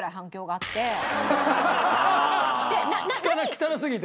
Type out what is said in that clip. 汚すぎて？